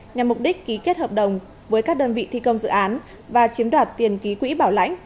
nhằm mục đích ký kết hợp đồng với các đơn vị thi công dự án và chiếm đoạt tiền ký quỹ bảo lãnh